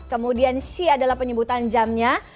kemudian si adalah penyebutan jamnya